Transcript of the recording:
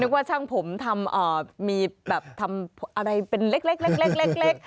นึกว่าช่างผมทำอะไรเป็นเล็ก